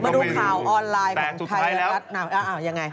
มาดูข่าวออนไลน์ของใครแล้วรัฐนามยังไง